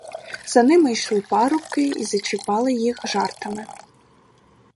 За ними йшли парубки й зачіпали їх жартами.